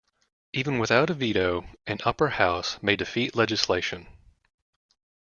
Even without a veto, an upper house may defeat legislation.